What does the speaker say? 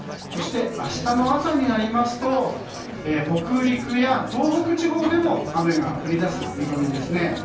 そして、明日の朝になりますと北陸や東北地方でも雨が降りだす見込みです。